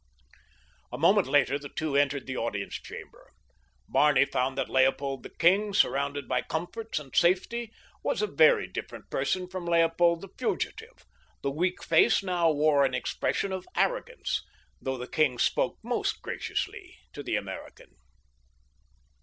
A moment later the two entered the audience chamber. Barney found that Leopold the king, surrounded by comforts and safety, was a very different person from Leopold the fugitive. The weak face now wore an expression of arrogance, though the king spoke most graciously to the American.